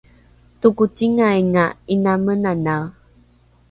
tokocingainga ’ina menanae